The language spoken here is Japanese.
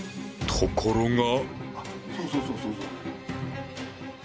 ところが。